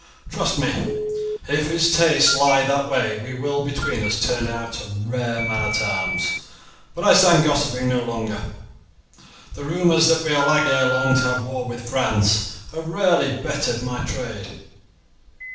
Trust me, if his tastes lie that way we will between us turn him out a rare man at arms. But I must stand gossiping no longer; the rumours that we are likely ere long to have war with France, have rarely bettered my trade.